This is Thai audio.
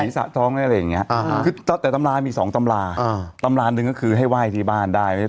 สีสะท้องได้เลยอย่างเงี้ยแต่ตำรามี๒ตำราตำราหนึ่งก็คือให้ไหว้ที่บ้านได้